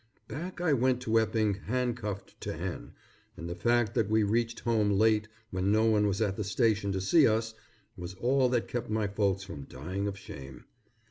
Back I went to Epping handcuffed to Hen, and the fact that we reached home late when no one was at the station to see us, was all that kept my folks from dying of shame.